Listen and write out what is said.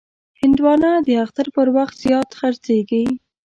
هندوانه د اختر پر وخت زیات خرڅېږي.